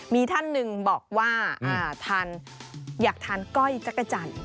มีท่านหนึ่งบอกว่าอยากทานก้อยจักรจันทร์